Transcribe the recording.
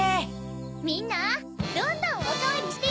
みんなどんどんおかわりしてや！